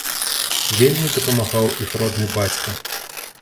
Вельмі дапамагаў іх родны бацька.